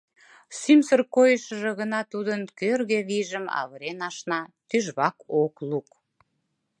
Сӱмсыр койышыжо гына тудын кӧргӧ вийжым авырен ашна, тӱжвак ок лук.